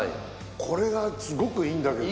これがすごくいいんだけど。